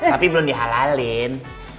tapi belum dihalalin